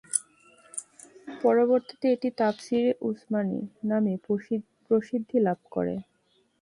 পরবর্তীতে এটি "তাফসীরে উসমানী" নামে প্রসিদ্ধি লাভ করে।